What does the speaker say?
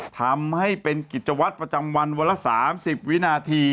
ทำให้เป็นกิจวัตรประจำวันวันละ๓๐วินาที